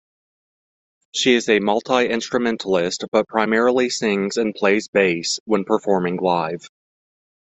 She is a multi-instrumentalist, but primarily sings and plays bass when performing live.